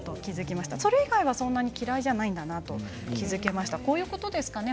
それ以外は、それほど嫌いではないんだなと気が付きました。